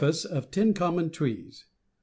Ten Common Trees. w.